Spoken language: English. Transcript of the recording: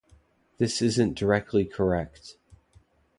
This isn't directly correct.